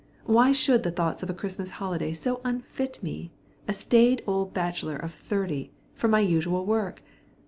Why should the thoughts of a Christmas holiday so unfit me, a staid old bachelor of thirty, for my usual work?